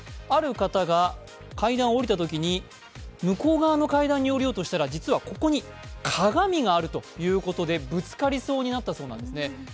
ある方が階段を下りたときに、向こう側の階段に下りたときに実はここに鏡があるということでぶつかりそうになったそうなんですね。